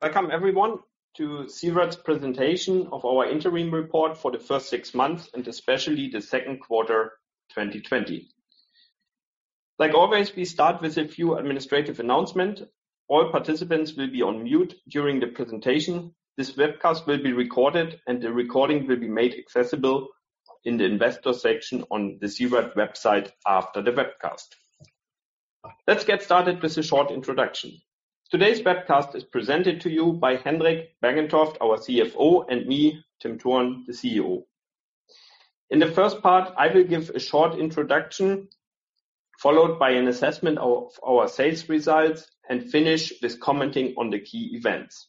Welcome everyone to C-RAD's presentation of our interim report for the first six months, and especially the second quarter 2020. Like always, we start with a few administrative announcements. All participants will be on mute during the presentation. This webcast will be recorded, and the recording will be made accessible in the investor section on the C-RAD website after the webcast. Let's get started with a short introduction. Today's webcast is presented to you by Henrik Bergentoft, our CFO, and me, Tim Thurn, the CEO. In the first part, I will give a short introduction, followed by an assessment of our sales results, and finish with commenting on the key events.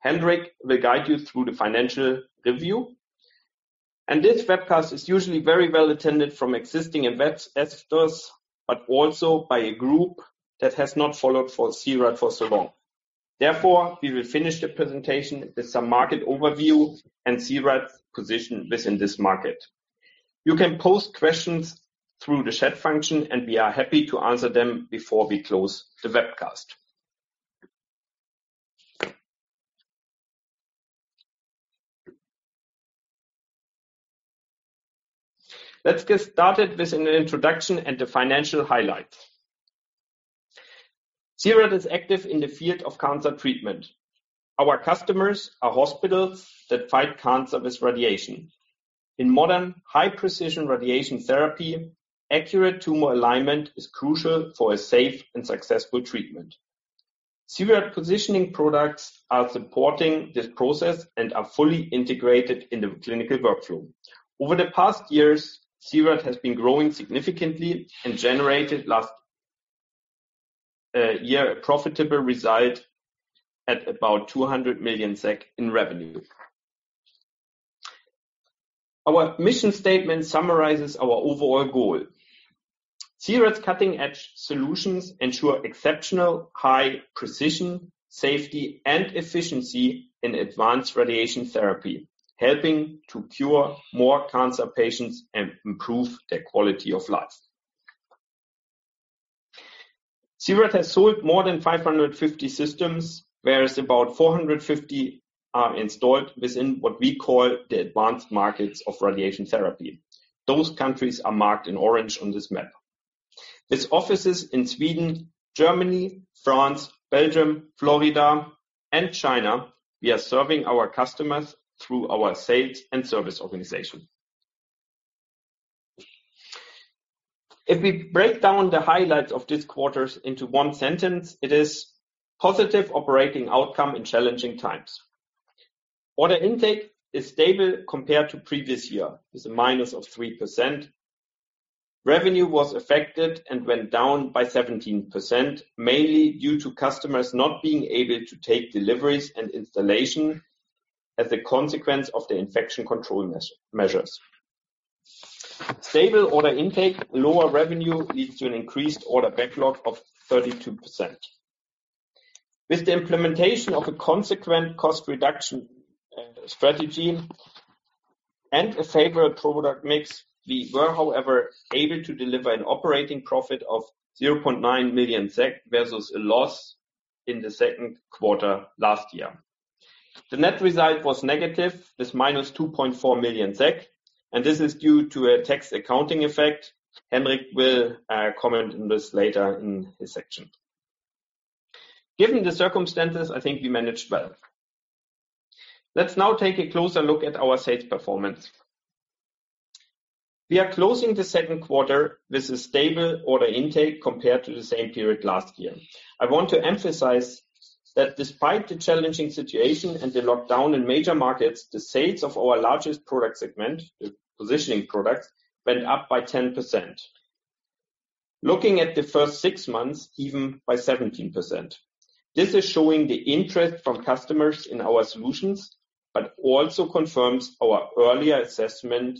Henrik will guide you through the financial review, and this webcast is usually very well attended from existing investors, but also by a group that has not followed C-RAD for so long. Therefore, we will finish the presentation with some market overview and C-RAD's position within this market. You can post questions through the chat function, and we are happy to answer them before we close the webcast. Let's get started with an introduction and the financial highlights. C-RAD is active in the field of cancer treatment. Our customers are hospitals that fight cancer with radiation. In modern, high-precision radiation therapy, accurate tumor alignment is crucial for a safe and successful treatment. C-RAD positioning products are supporting this process and are fully integrated in the clinical workflow. Over the past years, C-RAD has been growing significantly and generated last year a profitable result at about 200 million SEK in revenue. Our mission statement summarizes our overall goal. C-RAD's cutting-edge solutions ensure exceptional high precision, safety, and efficiency in advanced radiation therapy, helping to cure more cancer patients and improve their quality of life. C-RAD has sold more than 550 systems, whereas about 450 are installed within what we call the advanced markets of radiation therapy. Those countries are marked in orange on this map. With offices in Sweden, Germany, France, Belgium, Florida, and China, we are serving our customers through our sales and service organization. If we break down the highlights of this quarter into one sentence, it is positive operating outcome in challenging times. Order intake is stable compared to the previous year, with a minus of 3%. Revenue was affected and went down by 17%, mainly due to customers not being able to take deliveries and installation as a consequence of the infection control measures. Stable order intake, lower revenue leads to an increased order backlog of 32%. With the implementation of a consequent cost reduction strategy and a favorable product mix, we were, however, able to deliver an operating profit of 0.9 million SEK versus a loss in the second quarter last year. The net result was negative with -2.4 million SEK, and this is due to a tax accounting effect. Henrik will comment on this later in his section. Given the circumstances, I think we managed well. Let's now take a closer look at our sales performance. We are closing the second quarter with a stable order intake compared to the same period last year. I want to emphasize that despite the challenging situation and the lockdown in major markets, the sales of our largest product segment, the positioning products, went up by 10%. Looking at the first six months, even by 17%. This is showing the interest from customers in our solutions, but also confirms our earlier assessment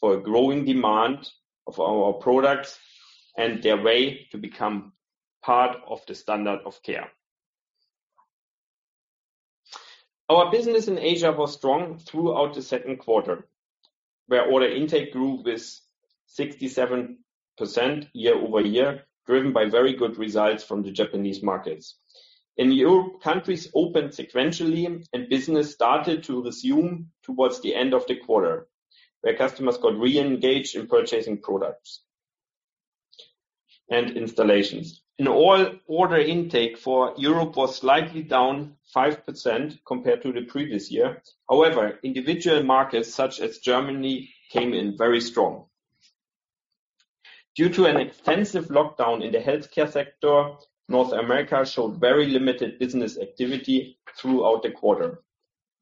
for growing demand for our products and their way to become part of the standard of care. Our business in Asia was strong throughout the second quarter, where order intake grew with 67% year-over-year, driven by very good results from the Japanese markets, and new countries opened sequentially, and business started to resume towards the end of the quarter, where customers got re-engaged in purchasing products and installations. In all, order intake for Europe was slightly down 5% compared to the previous year. However, individual markets such as Germany came in very strong. Due to an extensive lockdown in the healthcare sector, North America showed very limited business activity throughout the quarter,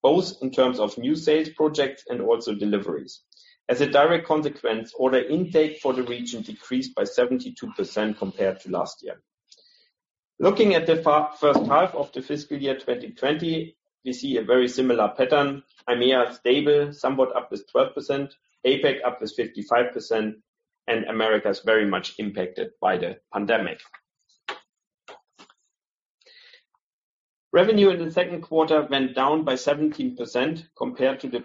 both in terms of new sales projects and also deliveries. As a direct consequence, order intake for the region decreased by 72% compared to last year. Looking at the first half of the fiscal year 2020, we see a very similar pattern. EMEA is stable, somewhat up with 12%, APAC up with 55%, and America is very much impacted by the pandemic. Revenue in the second quarter went down by 17% compared to the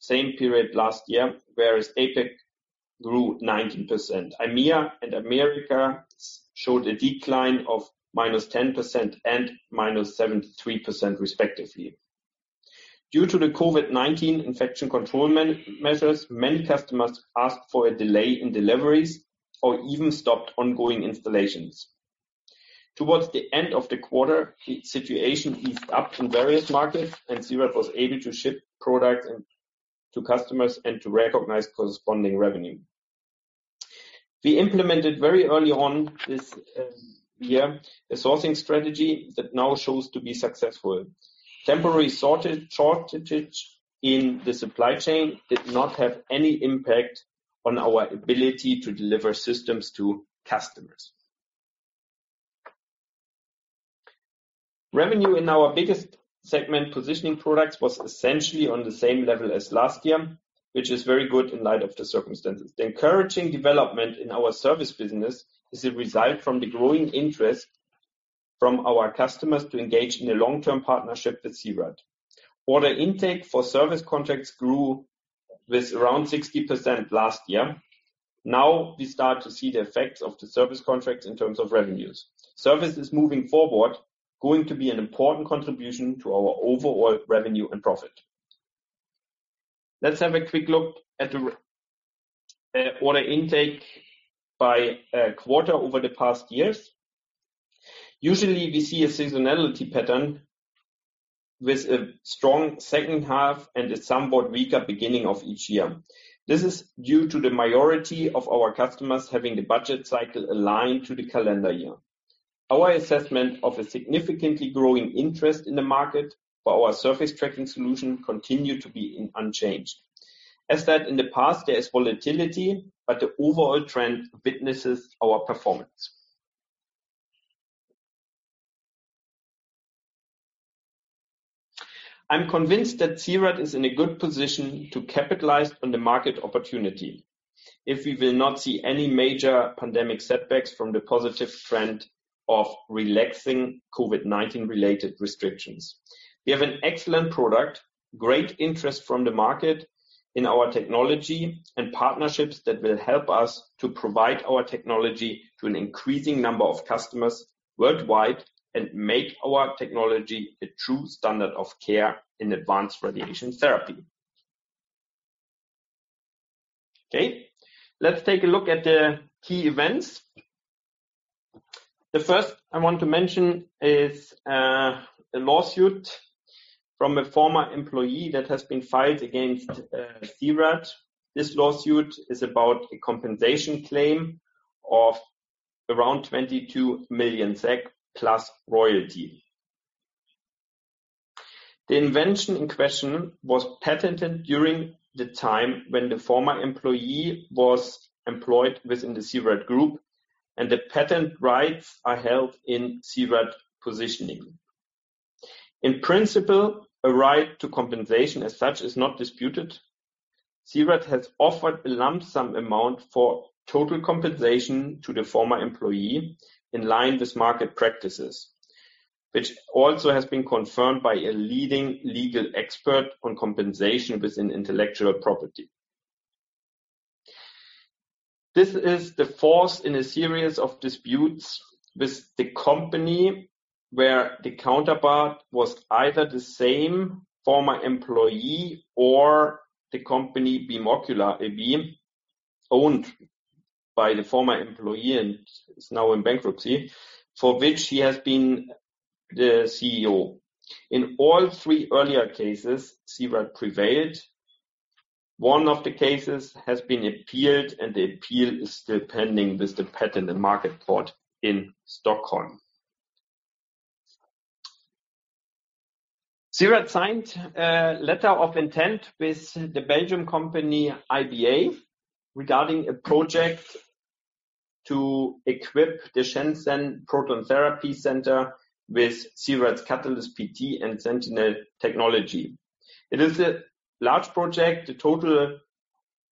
same period last year, whereas APAC grew 19%. EMEA and America showed a decline of -10% and -73%, respectively. Due to the COVID-19 infection control measures, many customers asked for a delay in deliveries or even stopped ongoing installations. Towards the end of the quarter, the situation eased up in various markets, and C-RAD was able to ship products to customers and to recognize corresponding revenue. We implemented very early on this year a sourcing strategy that now shows to be successful. Temporary shortages in the supply chain did not have any impact on our ability to deliver systems to customers. Revenue in our biggest segment, positioning products, was essentially on the same level as last year, which is very good in light of the circumstances. The encouraging development in our service business is a result from the growing interest from our customers to engage in a long-term partnership with C-RAD. Order intake for service contracts grew with around 60% last year. Now we start to see the effects of the service contracts in terms of revenues. Service is moving forward, going to be an important contribution to our overall revenue and profit. Let's have a quick look at the order intake by quarter over the past years. Usually, we see a seasonality pattern with a strong second half and a somewhat weaker beginning of each year. This is due to the majority of our customers having the budget cycle aligned to the calendar year. Our assessment of a significantly growing interest in the market for our surface tracking solution continued to be unchanged. As said in the past, there is volatility, but the overall trend witnesses our performance. I'm convinced that C-RAD is in a good position to capitalize on the market opportunity if we will not see any major pandemic setbacks from the positive trend of relaxing COVID-19-related restrictions. We have an excellent product, great interest from the market in our technology, and partnerships that will help us to provide our technology to an increasing number of customers worldwide and make our technology a true standard of care in advanced radiation therapy. Okay, let's take a look at the key events. The first I want to mention is a lawsuit from a former employee that has been filed against C-RAD. This lawsuit is about a compensation claim of around 22 million SEK plus royalty. The invention in question was patented during the time when the former employee was employed within the C-RAD group, and the patent rights are held in C-RAD Positioning. In principle, a right to compensation as such is not disputed. C-RAD has offered a lump sum amount for total compensation to the former employee in line with market practices, which also has been confirmed by a leading legal expert on compensation within intellectual property. This is the fourth in a series of disputes with the company where the counterpart was either the same former employee or the company BIM OCULA AB owned by the former employee and is now in bankruptcy, for which he has been the CEO. In all three earlier cases, C-RAD prevailed. One of the cases has been appealed, and the appeal is still pending with the patent and market court in Stockholm. C-RAD signed a letter of intent with the Belgian company IBA regarding a project to equip the Shenzhen Proton Therapy Center with C-RAD's Catalyst PT and Sentinel technology. It is a large project. The total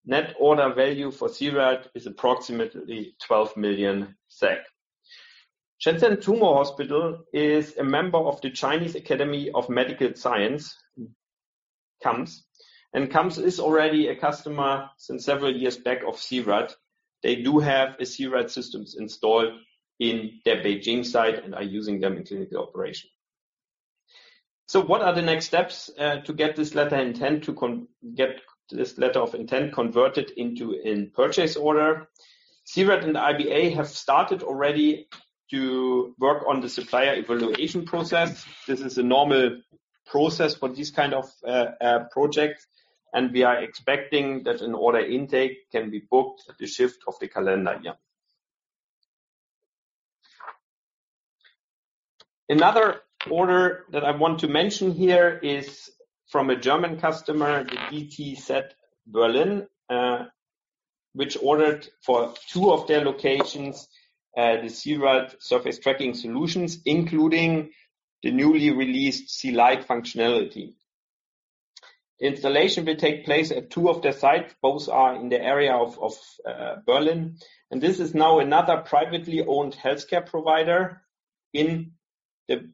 net order value for C-RAD is approximately 12 million SEK. Shenzhen Tumor Hospital is a member of the Chinese Academy of Medical Sciences, and CAMS is already a customer since several years back of C-RAD. They do have C-RAD systems installed in their Beijing site and are using them in clinical operation. So what are the next steps to get this letter of intent converted into a purchase order? C-RAD and IBA have started already to work on the supplier evaluation process. This is a normal process for these kinds of projects, and we are expecting that an order intake can be booked at the shift of the calendar year. Another order that I want to mention here is from a German customer, the DTZ Berlin, which ordered for two of their locations the C-RAD surface tracking solutions, including the newly released cLight functionality. The installation will take place at two of their sites. Both are in the area of Berlin, and this is now another privately owned healthcare provider in the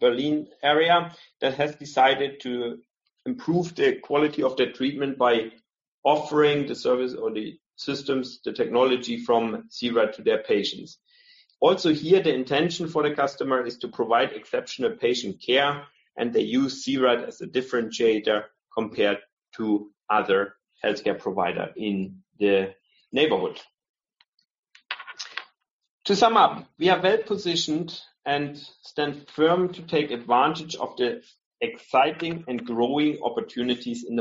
Berlin area that has decided to improve the quality of their treatment by offering the service or the systems, the technology from C-RAD to their patients. Also here, the intention for the customer is to provide exceptional patient care, and they use C-RAD as a differentiator compared to other healthcare providers in the neighborhood. To sum up, we are well positioned and stand firm to take advantage of the exciting and growing opportunities in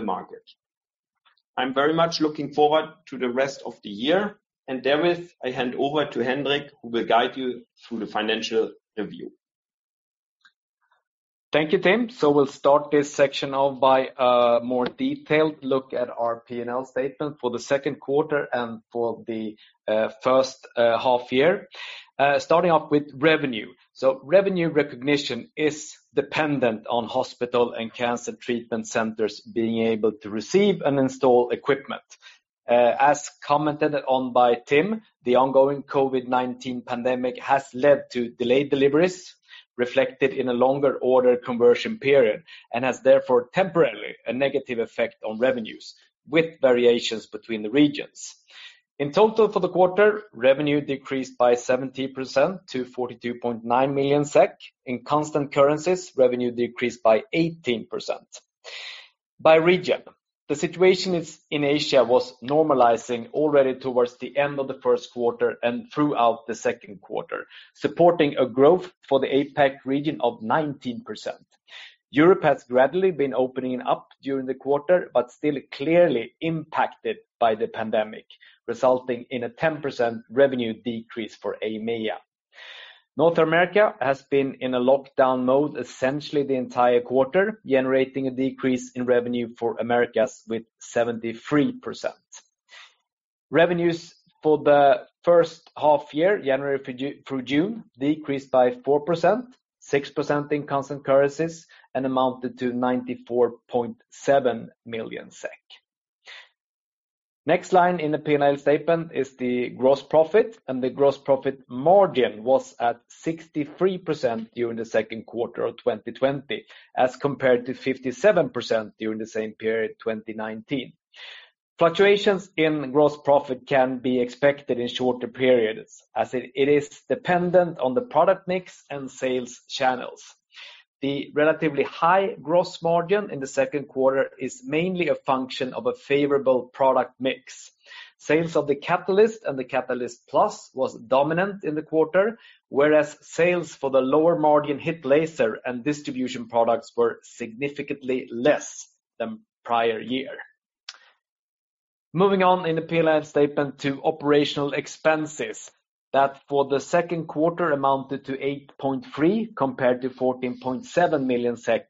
the market. I'm very much looking forward to the rest of the year, and therewith, I hand over to Henrik, who will guide you through the financial review. Thank you, Tim. So we'll start this section off by a more detailed look at our P&L statement for the second quarter and for the first half year, starting off with revenue. So revenue recognition is dependent on hospital and cancer treatment centers being able to receive and install equipment. As commented on by Tim, the ongoing COVID-19 pandemic has led to delayed deliveries reflected in a longer order conversion period and has therefore temporarily a negative effect on revenues with variations between the regions. In total for the quarter, revenue decreased by 70% to 42.9 million SEK. In constant currencies, revenue decreased by 18%. By region, the situation in Asia was normalizing already towards the end of the first quarter and throughout the second quarter, supporting a growth for the APAC region of 19%. Europe has gradually been opening up during the quarter, but still clearly impacted by the pandemic, resulting in a 10% revenue decrease for EMEA. North America has been in a lockdown mode essentially the entire quarter, generating a decrease in revenue for America with 73%. Revenues for the first half year, January through June, decreased by 4%, 6% in constant currencies, and amounted to 94.7 million SEK. Next line in the P&L statement is the gross profit, and the gross profit margin was at 63% during the second quarter of 2020, as compared to 57% during the same period, 2019. Fluctuations in gross profit can be expected in shorter periods, as it is dependent on the product mix and sales channels. The relatively high gross margin in the second quarter is mainly a function of a favorable product mix. Sales of the Catalyst and the Catalyst Plus was dominant in the quarter, whereas sales for the lower margin HIT Laser and distribution products were significantly less than prior year. Moving on in the P&L statement to operational expenses, that for the second quarter amounted to 8.3 million compared to 14.7 million SEK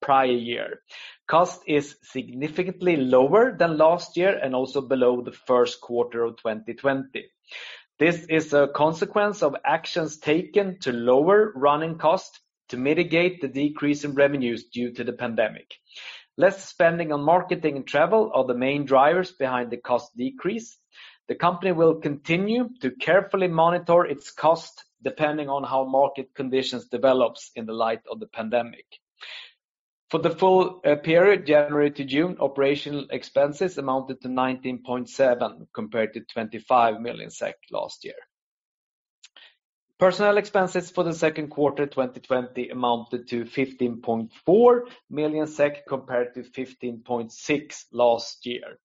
prior year. Cost is significantly lower than last year and also below the first quarter of 2020. This is a consequence of actions taken to lower running costs to mitigate the decrease in revenues due to the pandemic. Less spending on marketing and travel are the main drivers behind the cost decrease. The company will continue to carefully monitor its cost depending on how market conditions develop in the light of the pandemic. For the full period, January to June, operational expenses amounted to 19.7 million compared to 25 million SEK last year. Personnel expenses for the second quarter 2020 amounted to 15.4 million SEK compared to 15.6 million last year.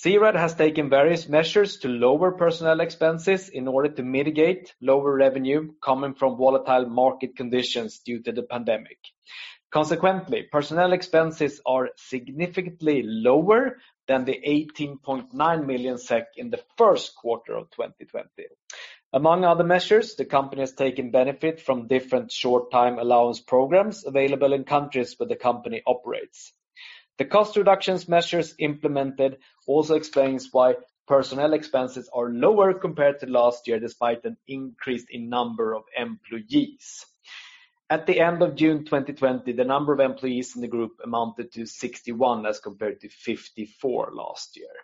C-RAD has taken various measures to lower personnel expenses in order to mitigate lower revenue coming from volatile market conditions due to the pandemic. Consequently, personnel expenses are significantly lower than the 18.9 million SEK in the first quarter of 2020. Among other measures, the company has taken benefit from different short-time allowance programs available in countries where the company operates. The cost reduction measures implemented also explain why personnel expenses are lower compared to last year, despite an increase in number of employees. At the end of June 2020, the number of employees in the group amounted to 61 as compared to 54 last year.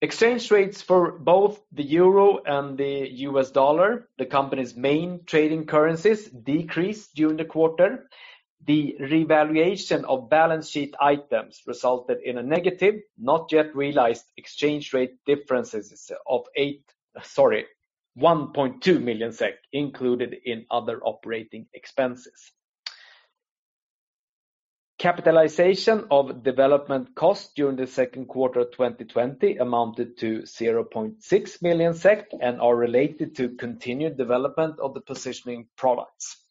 Exchange rates for both the Euro and the U.S. dollar, the company's main trading currencies, decreased during the quarter. The revaluation of balance sheet items resulted in a negative, not yet realized exchange rate differences of 1.2 million SEK included in other operating expenses. Capitalization of development costs during the second quarter of 2020 amounted to 0.6 million SEK and are related to continued development of the positioning products.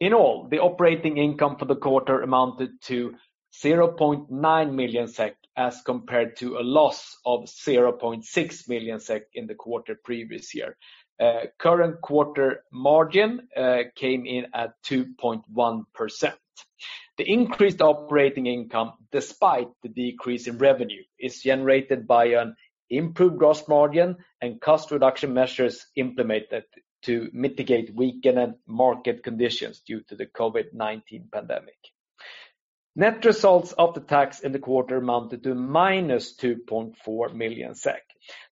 In all, the operating income for the quarter amounted to 0.9 million SEK as compared to a loss of 0.6 million SEK in the quarter previous year. Current quarter margin came in at 2.1%. The increased operating income, despite the decrease in revenue, is generated by an improved gross margin and cost reduction measures implemented to mitigate weakened market conditions due to the COVID-19 pandemic. Net results of the tax in the quarter amounted to -2.4 million SEK.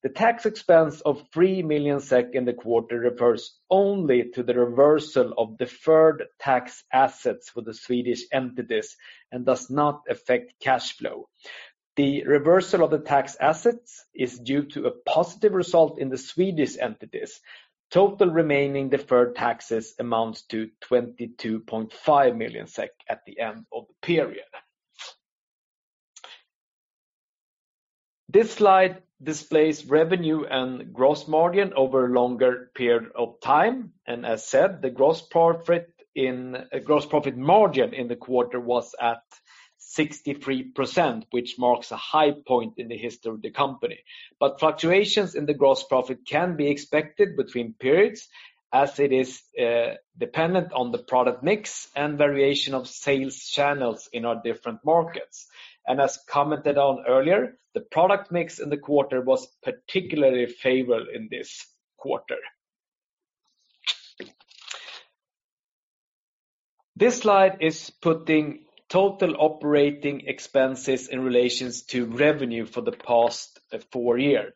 The tax expense of 3 million SEK in the quarter refers only to the reversal of deferred tax assets for the Swedish entities and does not affect cash flow. The reversal of the tax assets is due to a positive result in the Swedish entities. Total remaining deferred taxes amounts to 22.5 million SEK at the end of the period. This slide displays revenue and gross margin over a longer period of time. As said, the gross profit margin in the quarter was at 63%, which marks a high point in the history of the company. But fluctuations in the gross profit can be expected between periods, as it is dependent on the product mix and variation of sales channels in our different markets. And as commented on earlier, the product mix in the quarter was particularly favorable in this quarter. This slide is putting total operating expenses in relation to revenue for the past four years.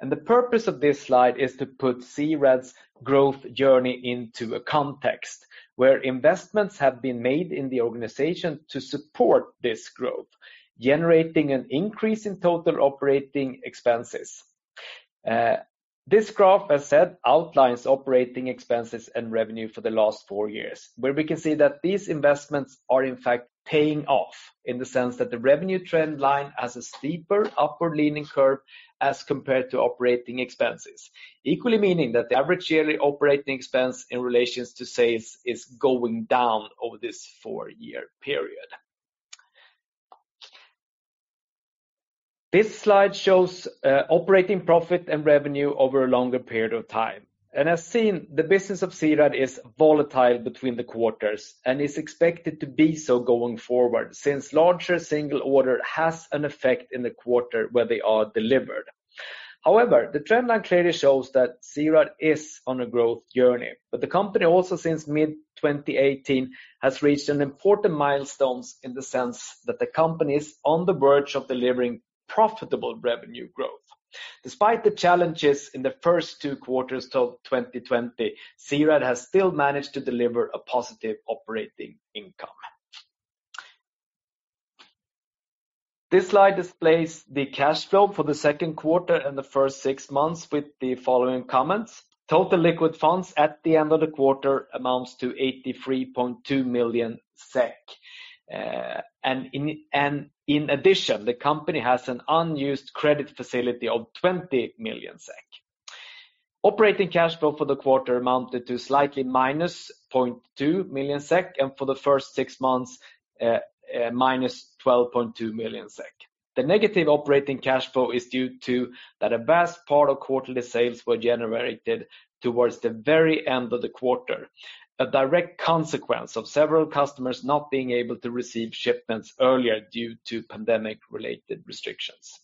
And the purpose of this slide is to put C-RAD's growth journey into a context where investments have been made in the organization to support this growth, generating an increase in total operating expenses. This graph, as said, outlines operating expenses and revenue for the last four years, where we can see that these investments are in fact paying off in the sense that the revenue trend line has a steeper upward-leaning curve as compared to operating expenses, equally meaning that the average yearly operating expense in relation to sales is going down over this four-year period. This slide shows operating profit and revenue over a longer period of time, and as seen, the business of C-RAD is volatile between the quarters and is expected to be so going forward since larger single order has an effect in the quarter where they are delivered. However, the trend line clearly shows that C-RAD is on a growth journey, but the company also, since mid-2018, has reached an important milestone in the sense that the company is on the verge of delivering profitable revenue growth. Despite the challenges in the first two quarters of 2020, C-RAD has still managed to deliver a positive operating income. This slide displays the cash flow for the second quarter and the first six months with the following comments: total liquid funds at the end of the quarter amounts to 83.2 million SEK, and in addition, the company has an unused credit facility of 20 million SEK. Operating cash flow for the quarter amounted to slightly -0.2 million SEK, and for the first six months, -12.2 million SEK. The negative operating cash flow is due to that a vast part of quarterly sales were generated towards the very end of the quarter, a direct consequence of several customers not being able to receive shipments earlier due to pandemic-related restrictions.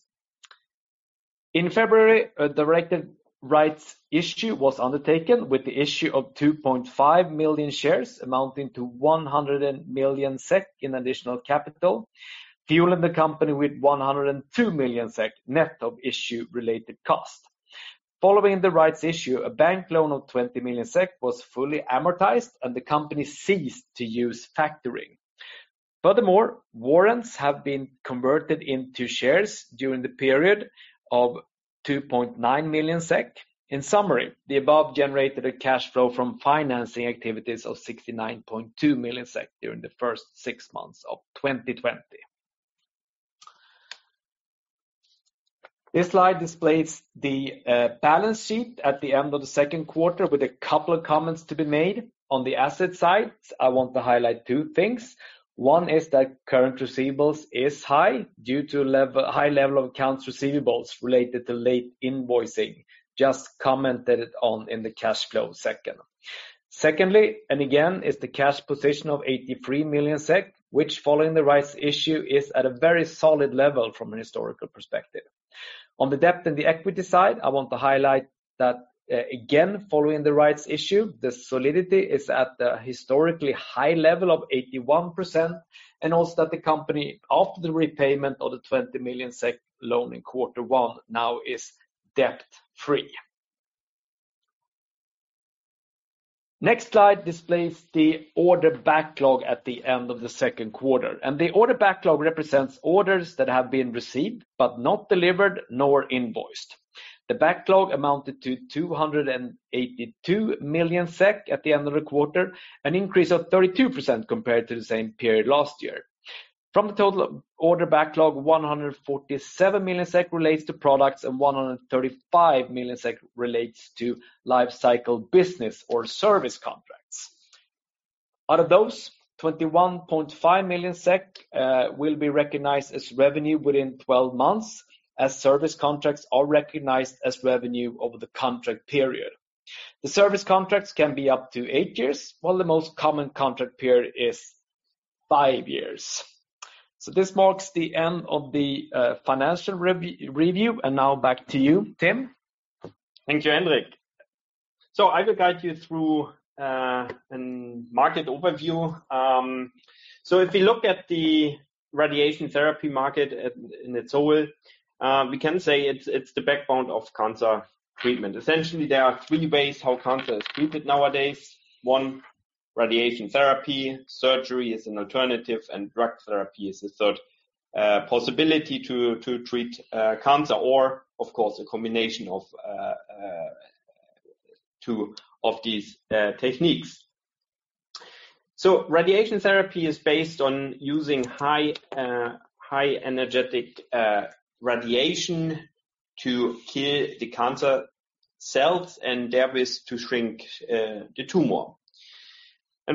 In February, a directed rights issue was undertaken with the issue of 2.5 million shares amounting to 100 million SEK in additional capital, fueling the company with 102 million SEK net of issue-related cost. Following the rights issue, a bank loan of 20 million SEK was fully amortized, and the company ceased to use factoring. Furthermore, warrants have been converted into shares during the period of 2.9 million SEK. In summary, the above generated a cash flow from financing activities of 69.2 million SEK during the first six months of 2020. This slide displays the balance sheet at the end of the second quarter with a couple of comments to be made on the asset side. I want to highlight two things. One is that current receivables is high due to a high level of accounts receivables related to late invoicing, just commented on in the cash flow second. Secondly, and again, is the cash position of 83 million SEK, which following the rights issue is at a very solid level from a historical perspective. On the debt and the equity side, I want to highlight that again, following the rights issue, the solidity is at the historically high level of 81%, and also that the company, after the repayment of the 20 million SEK loan in quarter one, now is debt-free. Next slide displays the order backlog at the end of the second quarter, and the order backlog represents orders that have been received but not delivered nor invoiced. The backlog amounted to 282 million SEK at the end of the quarter, an increase of 32% compared to the same period last year. From the total order backlog, 147 million SEK relates to products and 135 million SEK relates to life cycle business or service contracts. Out of those, 21.5 million SEK will be recognized as revenue within 12 months, as service contracts are recognized as revenue over the contract period. The service contracts can be up to eight years, while the most common contract period is five years. So this marks the end of the financial review. And now back to you, Tim. Thank you, Henrik. So I will guide you through a market overview. So if we look at the radiation therapy market in its whole, we can say it's the backbone of cancer treatment. Essentially, there are three ways how cancer is treated nowadays. One, radiation therapy. Surgery is an alternative, and drug therapy is the third possibility to treat cancer, or of course, a combination of these techniques. So radiation therapy is based on using high-energetic radiation to kill the cancer cells and therewith to shrink the tumor.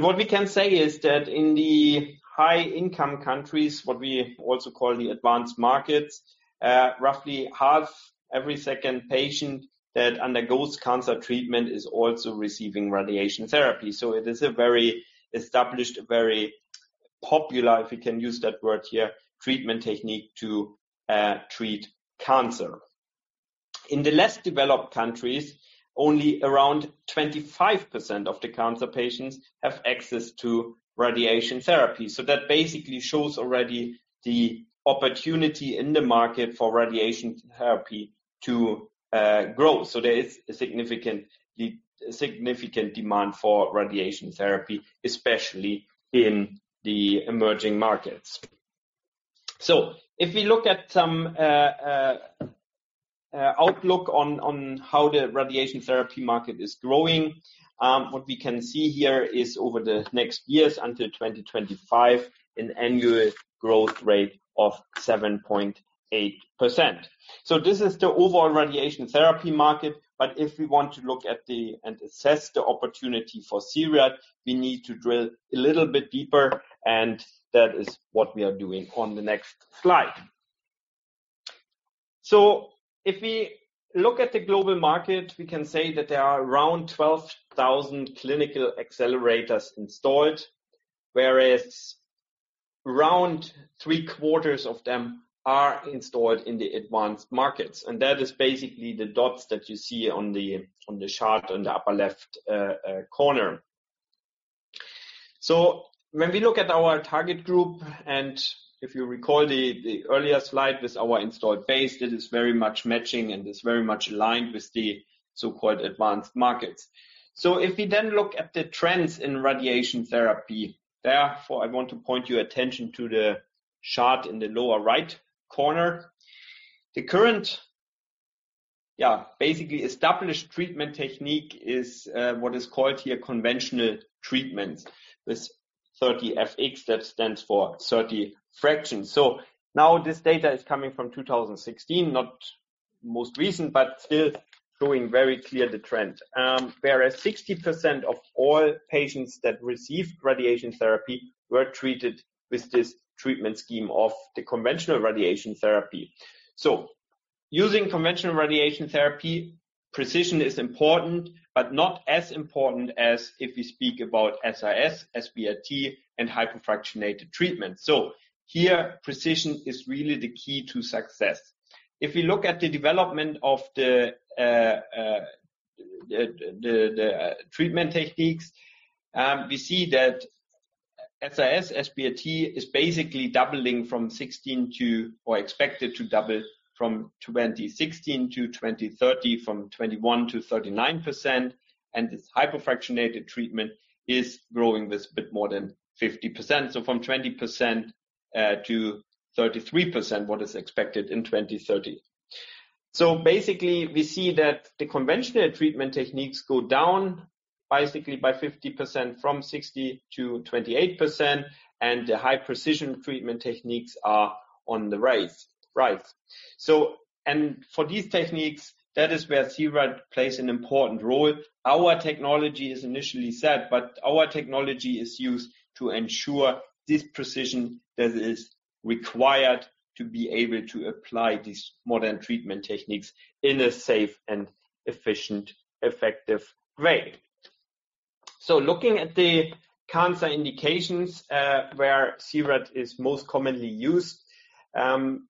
What we can say is that in the high-income countries, what we also call the advanced markets, roughly half every second patient that undergoes cancer treatment is also receiving radiation therapy. It is a very established, very popular, if we can use that word here, treatment technique to treat cancer. In the less developed countries, only around 25% of the cancer patients have access to radiation therapy. That basically shows already the opportunity in the market for radiation therapy to grow. There is a significant demand for radiation therapy, especially in the emerging markets. If we look at some outlook on how the radiation therapy market is growing, what we can see here is over the next years until 2025, an annual growth rate of 7.8%. This is the overall radiation therapy market. But if we want to look at and assess the opportunity for C-RAD, we need to drill a little bit deeper, and that is what we are doing on the next slide. So if we look at the global market, we can say that there are around 12,000 clinical accelerators installed, whereas around three-quarters of them are installed in the advanced markets. And that is basically the dots that you see on the chart on the upper left corner. So when we look at our target group, and if you recall the earlier slide with our installed base, it is very much matching and is very much aligned with the so-called advanced markets. So if we then look at the trends in radiation therapy, therefore I want to point your attention to the chart in the lower right corner. The current, yeah, basically established treatment technique is what is called here conventional treatments with 30 FX, that stands for 30 fractions, so now this data is coming from 2016, not most recent, but still showing very clear the trend, whereas 60% of all patients that received radiation therapy were treated with this treatment scheme of the conventional radiation therapy. So using conventional radiation therapy, precision is important, but not as important as if we speak about SRS, SBRT, and hyperfractionated treatments, so here, precision is really the key to success. If we look at the development of the treatment techniques, we see that SRS, SBRT is basically doubling from 16% to or expected to double from 2016 to 2030 from 21% to 39%, and this hyperfractionated treatment is growing with a bit more than 50%, so from 20% to 33%, what is expected in 2030. Basically, we see that the conventional treatment techniques go down basically by 50% from 60% to 28%, and the high-precision treatment techniques are on the rise. And for these techniques, that is where C-RAD plays an important role. Our technology is initially set, but our technology is used to ensure this precision that is required to be able to apply these modern treatment techniques in a safe and efficient, effective way. Looking at the cancer indications where C-RAD is most commonly used,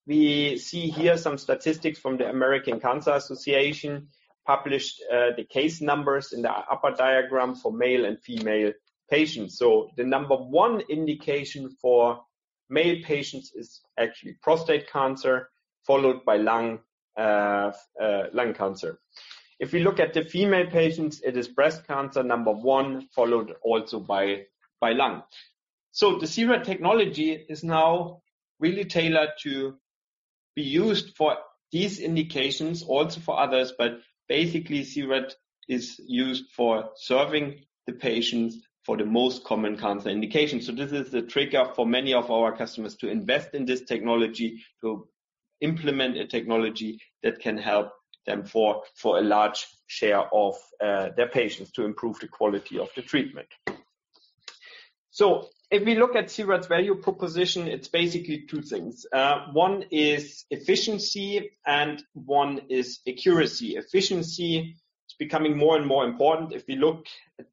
we see here some statistics from the American Cancer Society published the case numbers in the upper diagram for male and female patients. The number one indication for male patients is actually prostate cancer, followed by lung cancer. If we look at the female patients, it is breast cancer number one, followed also by lung. So the C-RAD technology is now really tailored to be used for these indications, also for others, but basically C-RAD is used for serving the patients for the most common cancer indications. So this is the trigger for many of our customers to invest in this technology, to implement a technology that can help them for a large share of their patients to improve the quality of the treatment. So if we look at C-RAD's value proposition, it's basically two things. One is efficiency and one is accuracy. Efficiency is becoming more and more important. If we look at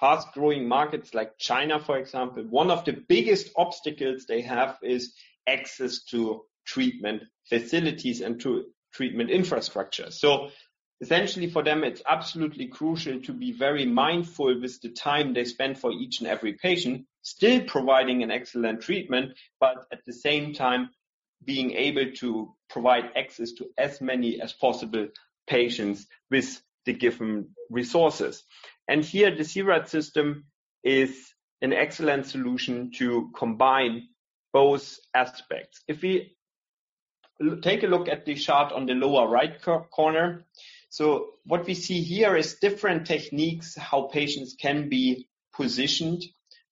fast-growing markets like China, for example, one of the biggest obstacles they have is access to treatment facilities and to treatment infrastructure. So essentially for them, it's absolutely crucial to be very mindful with the time they spend for each and every patient, still providing an excellent treatment, but at the same time being able to provide access to as many as possible patients with the given resources. And here the C-RAD system is an excellent solution to combine both aspects. If we take a look at the chart on the lower right corner, so what we see here is different techniques, how patients can be positioned.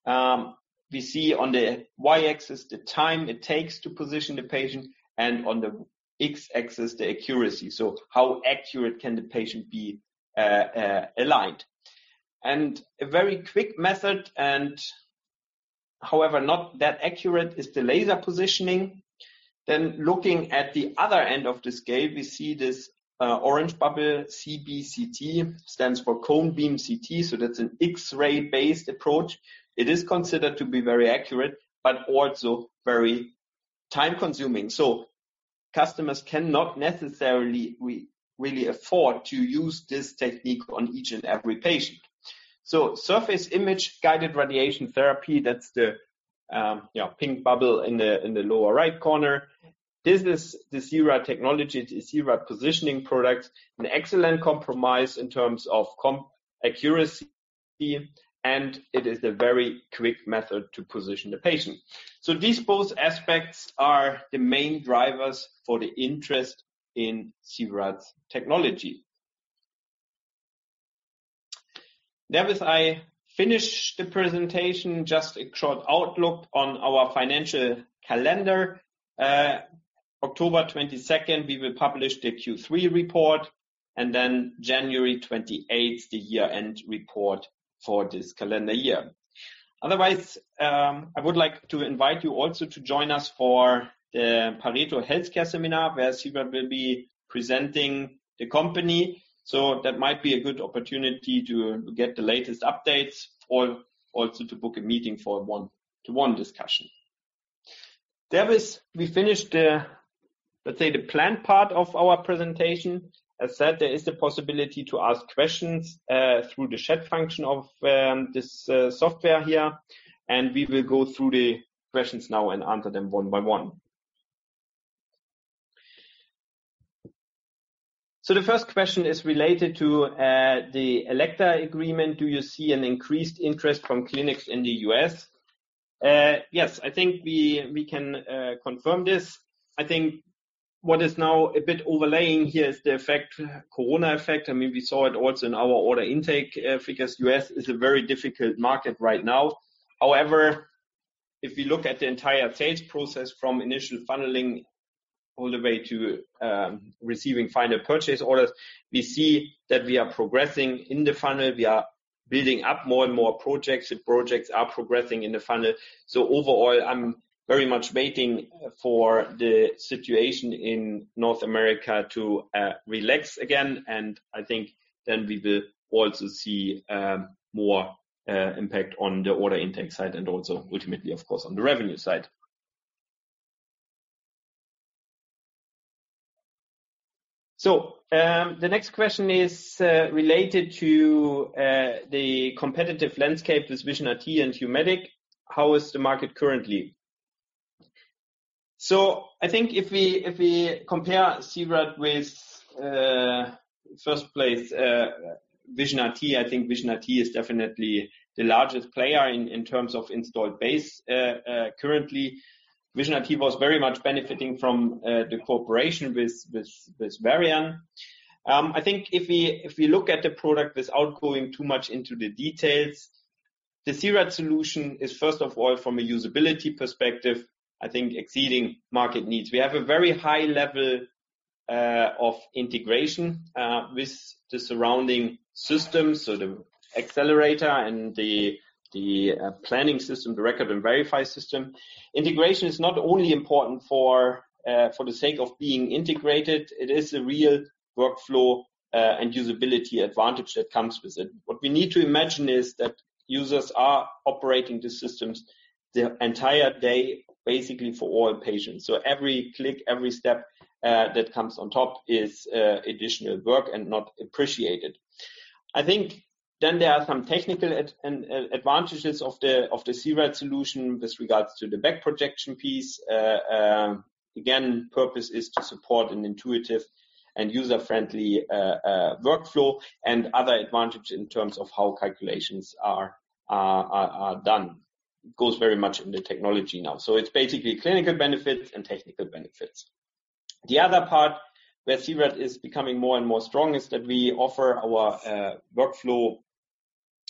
We see on the Y-axis the time it takes to position the patient and on the X-axis the accuracy. So how accurate can the patient be aligned? And a very quick method, and however not that accurate, is the laser positioning. Then looking at the other end of the scale, we see this orange bubble, CBCT, stands for cone beam CT. That's an X-ray-based approach. It is considered to be very accurate, but also very time-consuming. Customers cannot necessarily really afford to use this technique on each and every patient. Surface-guided radiation therapy, that's the pink bubble in the lower right corner. This is the C-RAD technology, the C-RAD positioning product, an excellent compromise in terms of accuracy, and it is a very quick method to position the patient. These both aspects are the main drivers for the interest in C-RAD technology. Now, as I finish the presentation, just a short outlook on our financial calendar. October 22nd, we will publish the Q3 report, and then January 28th, the year-end report for this calendar year. Otherwise, I would like to invite you also to join us for the Pareto Healthcare Seminar, where C-RAD will be presenting the company. That might be a good opportunity to get the latest updates or also to book a meeting for a one-to-one discussion. We finished, let's say, the planned part of our presentation. As said, there is the possibility to ask questions through the chat function of this software here, and we will go through the questions now and answer them one by one. So the first question is related to the Elekta agreement. Do you see an increased interest from clinics in the U.S.? Yes, I think we can confirm this. I think what is now a bit overlaying here is the corona effect. I mean, we saw it also in our order intake figures. U.S. is a very difficult market right now. However, if we look at the entire sales process from initial funneling all the way to receiving final purchase orders, we see that we are progressing in the funnel. We are building up more and more projects, and projects are progressing in the funnel. So overall, I'm very much waiting for the situation in North America to relax again. And I think then we will also see more impact on the order intake side and also ultimately, of course, on the revenue side. So the next question is related to the competitive landscape with Vision RT and HumediQ. How is the market currently? So I think if we compare C-RAD with first place Vision RT, I think Vision RT is definitely the largest player in terms of installed base currently. Vision RT was very much benefiting from the cooperation with Varian. I think if we look at the product without going too much into the details, the C-RAD solution is, first of all, from a usability perspective, I think exceeding market needs. We have a very high level of integration with the surrounding systems, so the accelerator and the planning system, the Record and Verify system. Integration is not only important for the sake of being integrated. It is a real workflow and usability advantage that comes with it. What we need to imagine is that users are operating the systems the entire day, basically for all patients. So every click, every step that comes on top is additional work and not appreciated. I think then there are some technical advantages of the C-RAD solution with regards to the back projection piece. Again, the purpose is to support an intuitive and user-friendly workflow and other advantages in terms of how calculations are done. It goes very much into technology now. So it's basically clinical benefits and technical benefits. The other part where C-RAD is becoming more and more strong is that we offer our workflow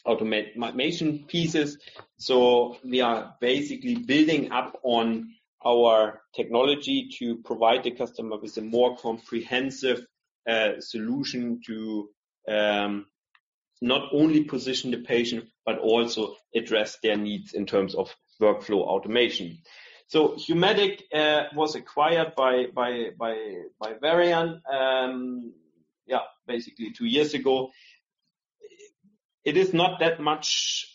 automation pieces. So we are basically building up on our technology to provide the customer with a more comprehensive solution to not only position the patient, but also address their needs in terms of workflow automation. So HumediQ was acquired by Varian, yeah, basically two years ago. It is not that much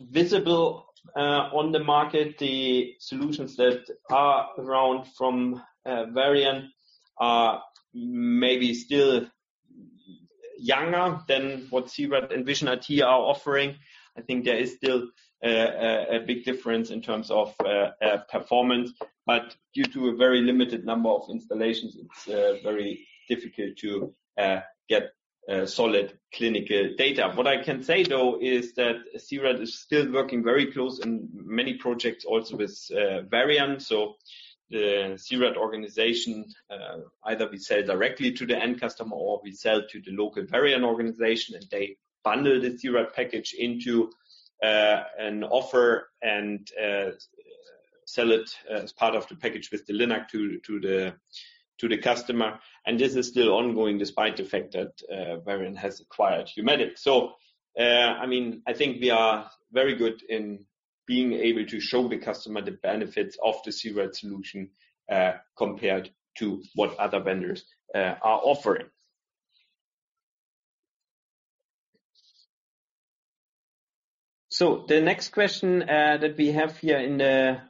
visible on the market. The solutions that are around from Varian are maybe still younger than what C-RAD and Vision RT are offering. I think there is still a big difference in terms of performance, but due to a very limited number of installations, it's very difficult to get solid clinical data. What I can say, though, is that C-RAD is still working very close in many projects also with Varian. So the C-RAD organization, either we sell directly to the end customer or we sell to the local Varian organization, and they bundle the C-RAD package into an offer and sell it as part of the package with the Linac to the customer. And this is still ongoing despite the fact that Varian has acquired HumediQ. So I mean, I think we are very good in being able to show the customer the benefits of the C-RAD solution compared to what other vendors are offering. The next question that we have here in the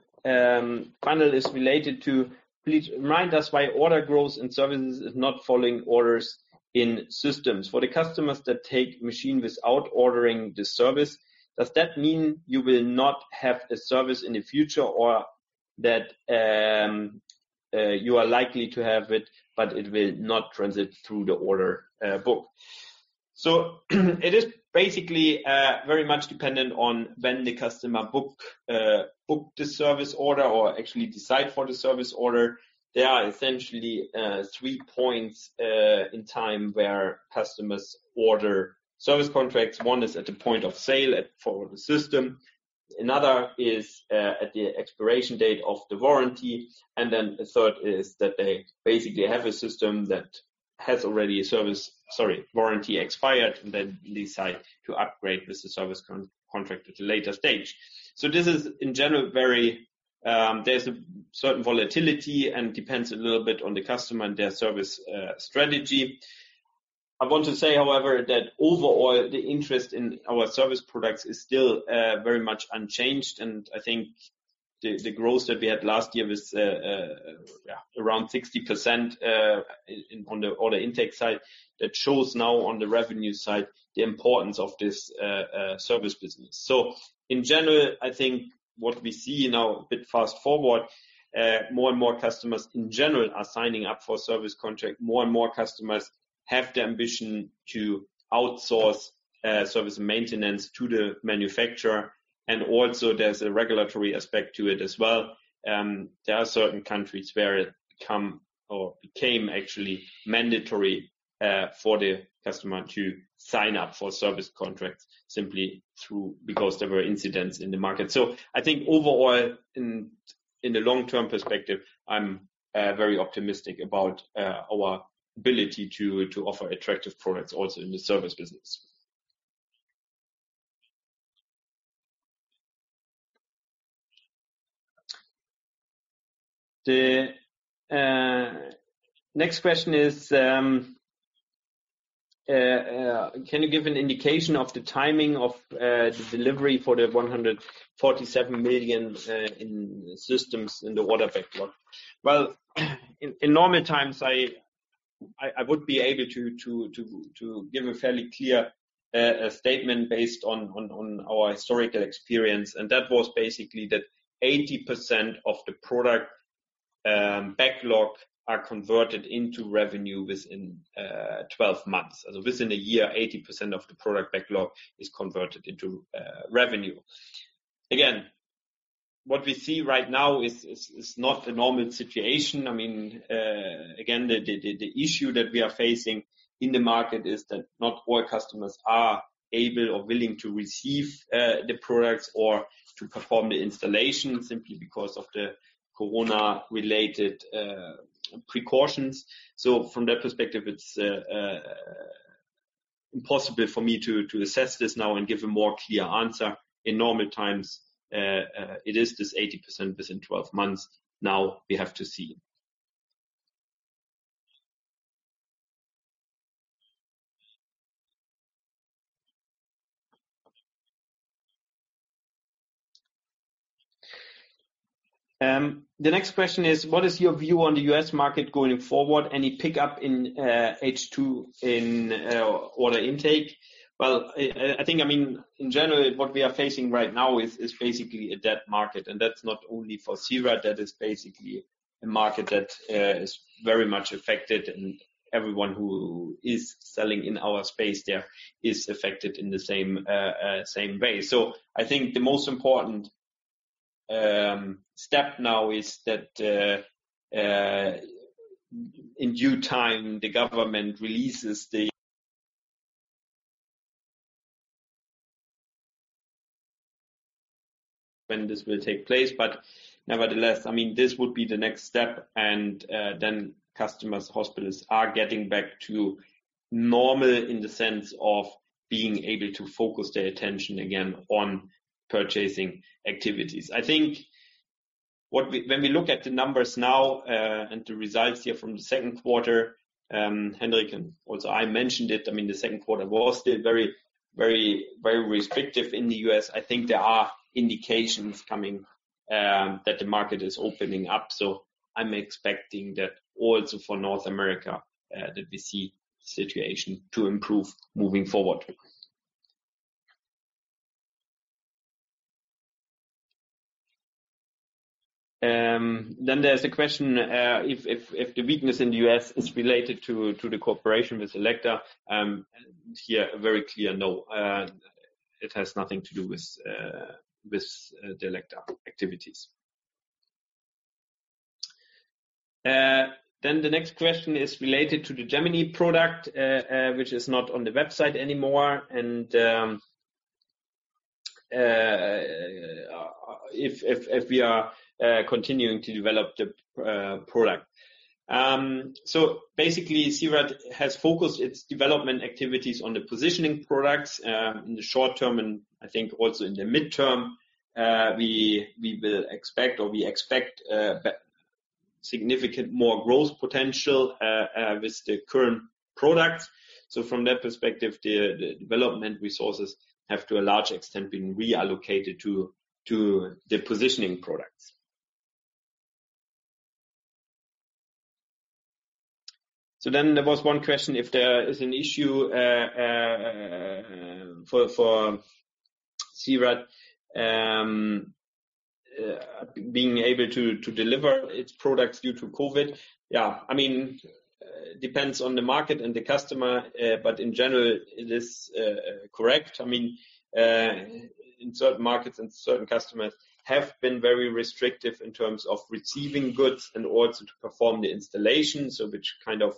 panel is related to, please remind us why order growth in services is not following orders in systems. For the customers that take machine without ordering the service, does that mean you will not have a service in the future or that you are likely to have it, but it will not transit through the order book? It is basically very much dependent on when the customer booked the service order or actually decided for the service order. There are essentially three points in time where customers order service contracts. One is at the point of sale for the system. Another is at the expiration date of the warranty. Then the third is that they basically have a system that has already a service, sorry, warranty expired, and then they decide to upgrade with the service contract at a later stage. This is, in general, very. There's a certain volatility and depends a little bit on the customer and their service strategy. I want to say, however, that overall, the interest in our service products is still very much unchanged. I think the growth that we had last year was around 60% on the order intake side that shows now on the revenue side the importance of this service business. In general, I think what we see now, a bit fast forward, more and more customers in general are signing up for service contract. More and more customers have the ambition to outsource service and maintenance to the manufacturer. And also, there's a regulatory aspect to it as well. There are certain countries where it became actually mandatory for the customer to sign up for service contracts simply because there were incidents in the market. So I think overall, in the long-term perspective, I'm very optimistic about our ability to offer attractive products also in the service business. The next question is, can you give an indication of the timing of the delivery for the 147 million in systems in the order backlog? Well, in normal times, I would be able to give a fairly clear statement based on our historical experience. And that was basically that 80% of the product backlog are converted into revenue within 12 months. So within a year, 80% of the product backlog is converted into revenue. Again, what we see right now is not a normal situation. I mean, again, the issue that we are facing in the market is that not all customers are able or willing to receive the products or to perform the installation simply because of the Corona-related precautions. So from that perspective, it's impossible for me to assess this now and give a more clear answer. In normal times, it is this 80% within 12 months. Now we have to see. The next question is, what is your view on the U.S. market going forward? Any pickup in H2 in order intake? Well, I think, I mean, in general, what we are facing right now is basically a dead market, and that's not only for C-RAD. That is basically a market that is very much affected, and everyone who is selling in our space there is affected in the same way. I think the most important step now is that in due time, the government releases the when this will take place. But nevertheless, I mean, this would be the next step. And then customers, hospitals are getting back to normal in the sense of being able to focus their attention again on purchasing activities. I think when we look at the numbers now and the results here from the second quarter, Henrik, and also I mentioned it, I mean, the second quarter was still very, very restrictive in the U.S. I think there are indications coming that the market is opening up. I'm expecting that also for North America that we see the situation to improve moving forward. Then there's a question if the weakness in the U.S. is related to the cooperation with Elekta. Here, a very clear no. It has nothing to do with the Elekta activities. Then the next question is related to the Gemini product, which is not on the website anymore, and if we are continuing to develop the product. So basically, C-RAD has focused its development activities on the positioning products in the short term and I think also in the midterm. We will expect or we expect significant more growth potential with the current products. So from that perspective, the development resources have to a large extent been reallocated to the positioning products. So then there was one question if there is an issue for C-RAD being able to deliver its products due to COVID. Yeah, I mean, it depends on the market and the customer, but in general, it is correct. I mean, in certain markets and certain customers have been very restrictive in terms of receiving goods and also to perform the installation, which kind of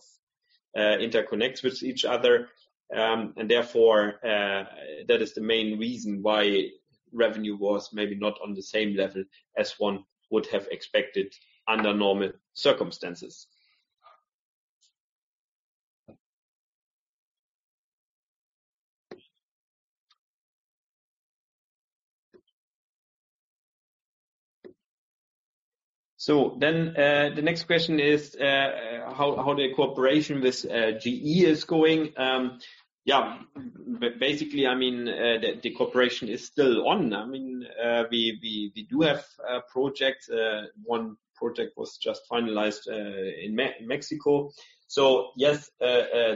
interconnects with each other. And therefore, that is the main reason why revenue was maybe not on the same level as one would have expected under normal circumstances. So then the next question is, how the cooperation with GE is going? Yeah, basically, I mean, the cooperation is still on. I mean, we do have projects. One project was just finalized in Mexico. So yes,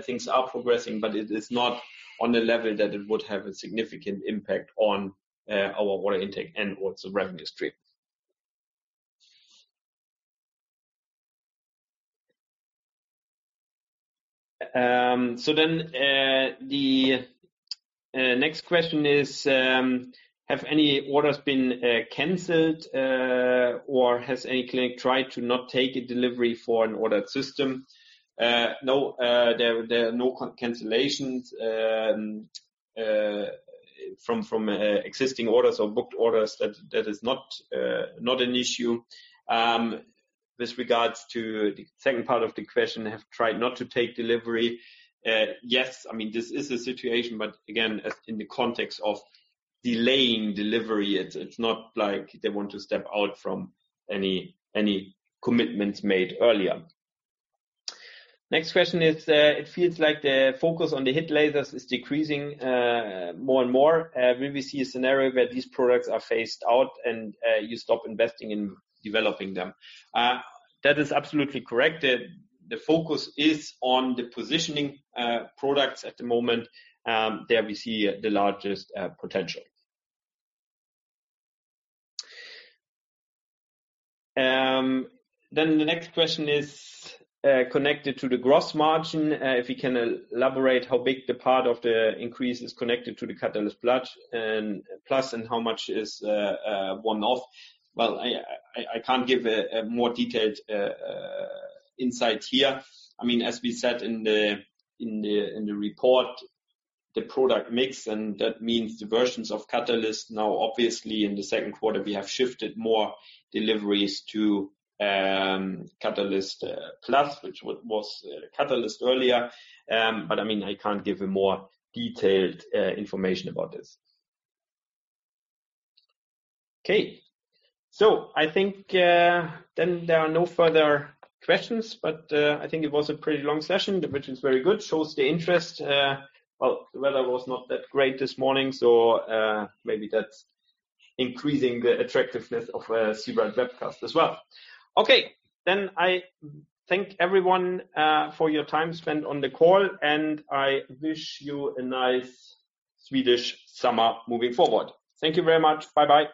things are progressing, but it is not on a level that it would have a significant impact on our order intake and also revenue stream. So then the next question is, have any orders been canceled or has any clinic tried to not take a delivery for an ordered system? No, there are no cancellations from existing orders or booked orders. That is not an issue. With regards to the second part of the question, have tried not to take delivery? Yes, I mean, this is a situation, but again, in the context of delaying delivery, it's not like they want to step out from any commitments made earlier. Next question is, it feels like the focus on the HIT lasers is decreasing more and more. Will we see a scenario where these products are phased out and you stop investing in developing them? That is absolutely correct. The focus is on the positioning products at the moment. There we see the largest potential. Then the next question is connected to the gross margin. If you can elaborate how big the part of the increase is connected to the Catalyst Plus and how much is one-off? Well, I can't give a more detailed insight here. I mean, as we said in the report, the product mix, and that means the versions of Catalyst. Now, obviously, in the second quarter, we have shifted more deliveries to Catalyst Plus, which was Catalyst earlier. But I mean, I can't give you more detailed information about this. Okay. So I think then there are no further questions, but I think it was a pretty long session, which is very good, shows the interest. Well, the weather was not that great this morning, so maybe that's increasing the attractiveness of C-RAD Webcast as well. Okay. Then I thank everyone for your time spent on the call, and I wish you a nice Swedish summer moving forward. Thank you very much. Bye-bye.